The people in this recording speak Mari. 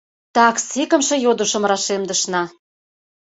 — Такс, икымше йодышым рашемдышна.